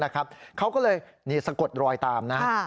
เขาก็เลยสะกดรอยตามนะ